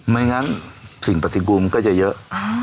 ไม่งั้นสิ่งปฏิกูลก็จะเยอะ